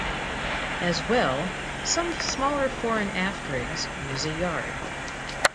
As well, some smaller fore and aft rigs use a yard.